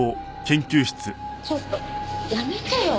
ちょっとやめてよ！